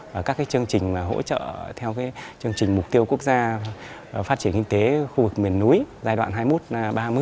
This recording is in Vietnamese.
và các chương trình hỗ trợ theo chương trình mục tiêu quốc gia phát triển kinh tế khu vực miền núi giai đoạn hai mươi một ba mươi